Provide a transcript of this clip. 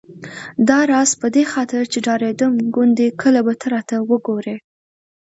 داراز په دې خاطر چې ډارېدم ګوندې کله به ته راته وګورې.